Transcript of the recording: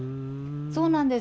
そうなんです。